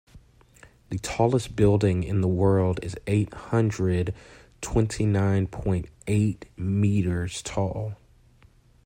The tallest building in the world is eight hundred twenty nine point eight meters tall.